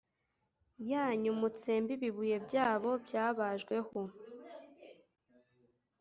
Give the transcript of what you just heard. yanyu mutsembe ibibuye byabo byabajweho